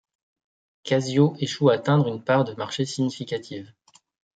Casio échoue à atteindre une part de marché significative.